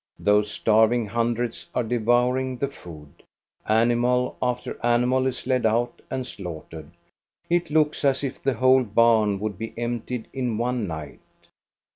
Those starving hundreds are devouring the food. Animal after animal is led out and slaughtered. It looks as if the whole barn would be emptied in one night.